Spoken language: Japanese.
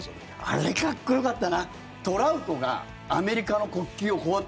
あれ、かっこよかった！